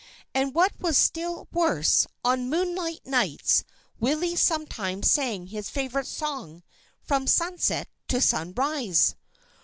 And what was still worse, on moonlight nights Willie sometimes sang his favorite song from sunset to sunrise.